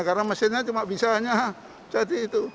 karena mesinnya cuma bisa hanya jadi itu